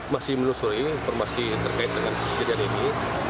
masih melusuri informasi terkait dengan kejadian ini